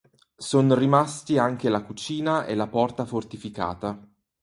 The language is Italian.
Son rimasti anche la cucina e la porta fortificata.